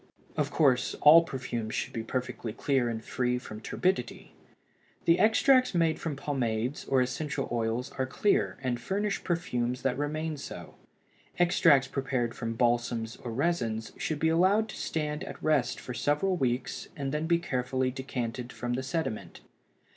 Of course, all perfumes should be perfectly clear and free from turbidity. The extracts made from pomades or essential oils are clear and furnish perfumes that remain so; extracts prepared from balsams or resins should be allowed to stand at rest for several weeks and then be carefully decanted from the sediment.